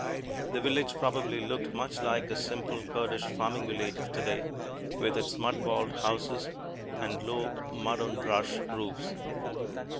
The village probably looked much like the simple Kurdish farming village of today, with its mud walled houses and low mud on brush roofs.